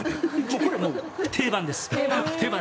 これ、定番です。